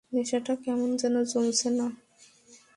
নেশাটা কেমন যেন জমছে না!